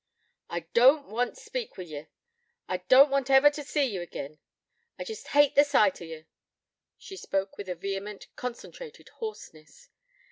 'I don't want t' speak wi' ye: I don't want ever to see ye agin. I jest hate the sight o' ye.' She spoke with a vehement, concentrated hoarseness.